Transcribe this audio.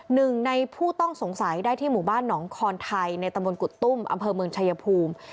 หนึ่งในผู้ต้องสงสัยได้ที่หมู่บ้านหนองคอนไทยในตะบนกุตุ้มอำเภอเมืองชายภูมิ